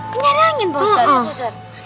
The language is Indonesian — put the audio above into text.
kenyanyain pak ustadz